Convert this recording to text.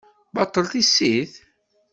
Baṭel tissit?